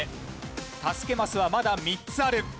助けマスはまだ３つある。